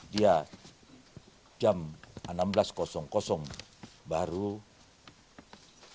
dia jam enam belas baru